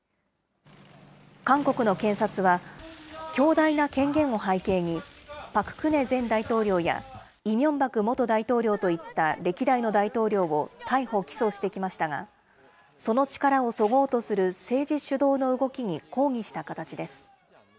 韓国の検察は強大な権限を背景に、パク・クネ前大統領やイ・ミョンバク元大統領といった歴代の大統領を逮捕・起訴してきましたが、その力をそごうとする政治主導の動きに抗議した形です。